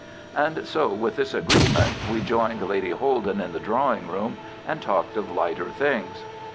And so with this agreement we joined Lady Holden in the drawing room and talked of lighter things.